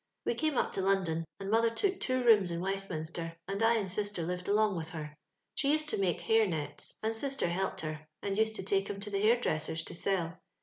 We came up to London, and mother took two rooms in Wei^minster, and I and sister lived along with her. She used to make hair nets, and sister helped her, and used to take 'em to the hair dressers to sell.